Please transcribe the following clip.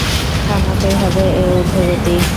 থামাতেই হবে এ উর্ধ্বগতি।